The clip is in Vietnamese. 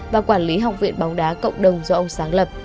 và quản lý học viện bóng đá cộng đồng do ông sáng lập